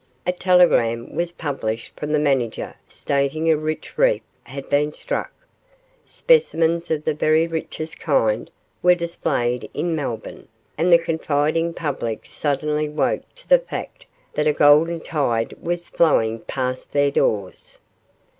A telegram was published from the manager stating a rich reef had been struck. Specimens of the very richest kind were displayed in Melbourne, and the confiding public suddenly woke to the fact that a golden tide was flowing past their doors.